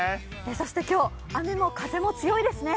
そして今日、雨も風も強いですね。